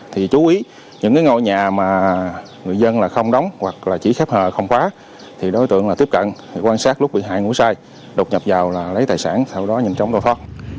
thì chú ý những ngôi nhà mà người dân không đóng hoặc chỉ khép hờ không khóa thì đối tượng tiếp cận quan sát lúc bị hại ngủ sai đột nhập vào là lấy tài sản sau đó nhận trộm tội thoát